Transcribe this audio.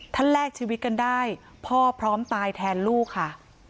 ถ้าแลกชีวิตกันได้พ่อพร้อมตายแทนลูกค่ะ